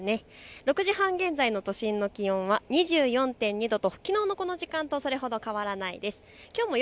６時半現在の都心の気温は２４．２度ときのうのこの時間とそれほど変わらないです。